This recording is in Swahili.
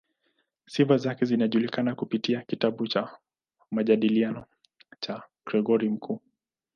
Sifa zake zinajulikana kupitia kitabu cha "Majadiliano" cha Gregori Mkuu.